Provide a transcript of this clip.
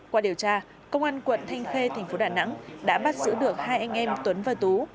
qua điều tra công an quận thanh khê thành phố đà nẵng đã bắt giữ được hai anh em tuấn và tú